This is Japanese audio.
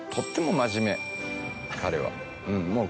彼は。